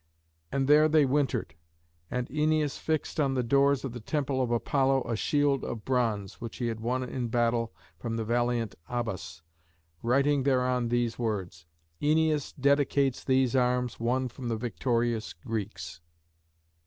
And there they wintered, and Æneas fixed on the doors of the temple of Apollo a shield of bronze which he had won in battle from the valiant Abas, writing thereon these words, "ÆNEAS DEDICATES THESE ARMS WON FROM THE VICTORIOUS GREEKS."